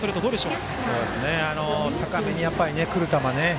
高めに来る球ね。